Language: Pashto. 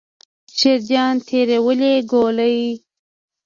شیرجان تېرې ولي ګولۍ.